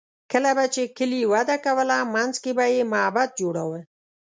کله به چې کلي وده کوله، منځ کې به یې معبد جوړاوه.